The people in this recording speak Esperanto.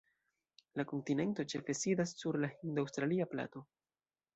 La kontinento ĉefe sidas sur la Hindo-Aŭstralia Plato.